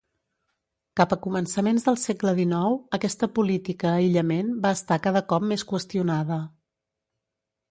Cap a començaments del segle XIX, aquesta política aïllament va estar cada cop més qüestionada.